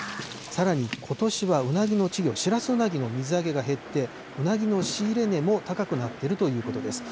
さらにことしはうなぎの稚魚、シラスウナギの水揚げが減って、うなぎの仕入れ値も高くなっているということです。